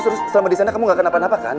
terus selama di sana kamu gak kena apa apa kan